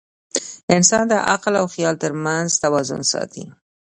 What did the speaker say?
انسان د عقل او خیال تر منځ توازن ساتي.